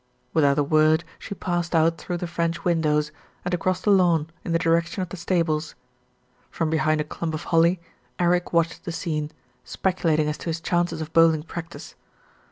Without a word she passed out through the French windows, and across the lawn in the direction of the stables. From behind a clump of holly, Eric watched the scene, speculating as to his chances of bowling practice.